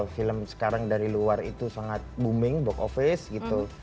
film sekarang dari luar itu sangat booming box office gitu